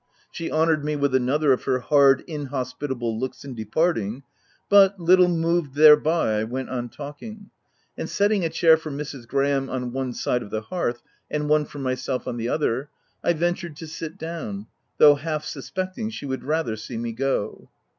She honoured me with another of her hard, inhospitable looks in departing, but, little moved thereby, I went on talking ; and setting a chair for Mrs. Graham on one side of the hearth and one for myself on the other, I ventured to sit down, though half sus pecting she would rather see me go.